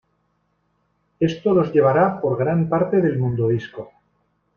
Esto los llevará por gran parte del Mundodisco.